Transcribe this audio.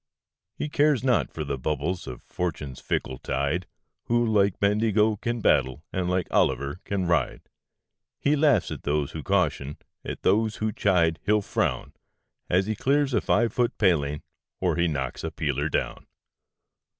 He cares not for the bubbles of Fortune's fickle tide, Who like Bendigo can battle, and like Olliver can ride. He laughs at those who caution, at those who chide he'll frown, As he clears a five foot paling, or he knocks a peeler down.